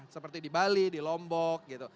seperti di bali di lombok gitu